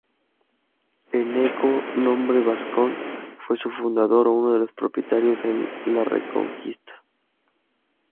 Eneco, nombre vascón, fue su fundador o uno de sus propietarios en la Reconquista.